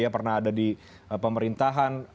pernah ada di pemerintahan